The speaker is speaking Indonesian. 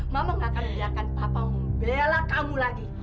mama tidak akan membiarkan papa membela kamu lagi